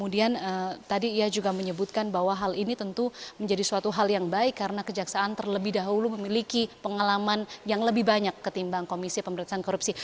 dan tadi ia juga menyebutkan bahwa hal ini tentu menjadi suatu hal yang baik karena kejaksaan terlebih dahulu memiliki pengalaman yang lebih banyak ketimbang komisi pemberantasan korupsi